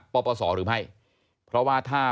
ปปศหรือไม่เพราะว่าถ้า